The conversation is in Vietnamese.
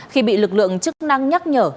khi bị lực lượng chức năng nhắc nhở